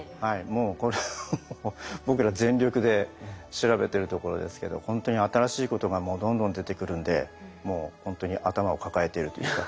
もうこれはもう僕ら全力で調べてるところですけどほんとに新しいことがもうどんどん出てくるんでもうほんとに頭を抱えているというか。